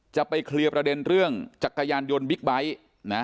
จะไปเคลียร์ประเด็นเรื่องจักรยานยนต์บิ๊กไบท์นะ